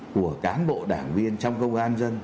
của cán bộ đảng viên trong công an dân